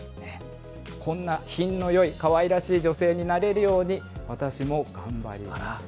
こんな品のよい、かわいらしい女性になれるように、私も頑張りま